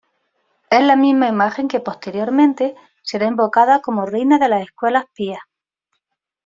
Es la misma imagen que posteriormente será invocada como Reina de las Escuelas Pías.